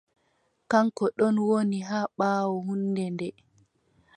Kaŋko ɗon woni haa ɓaawo hunnde nde.